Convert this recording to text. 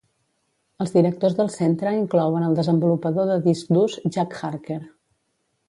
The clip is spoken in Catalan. Els directors del centre inclouen el desenvolupador de disc durs Jack Harker.